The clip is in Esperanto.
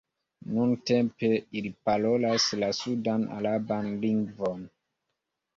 Nuntempe ili parolas la sudan-araban lingvon.